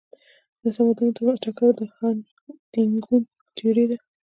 د تمدنونو ترمنځ ټکر د هانټینګټون تيوري ده.